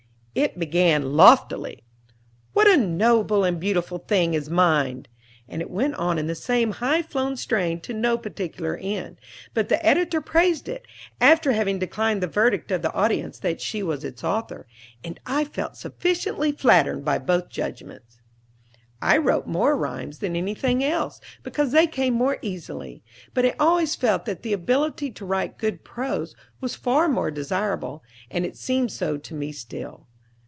It began loftily: "What a noble and beautiful thing is mind!" and it went on in the same high flown strain to no particular end. But the editor praised it, after having declined the verdict of the audience that she was its author; and I felt sufficiently flattered by both judgments. I wrote more rhymes than anything else, because they came more easily. But I always felt that the ability to write good prose was far more desirable, and it seems so to me still.